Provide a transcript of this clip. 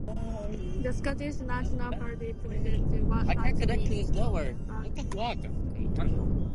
The Scottish National Party pointed to what has been termed the "Barnett squeeze".